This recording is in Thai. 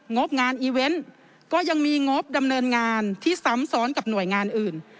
บงานอีเวนต์ก็ยังมีงบดำเนินงานที่ซ้ำซ้อนกับหน่วยงานอื่น